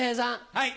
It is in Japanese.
はい。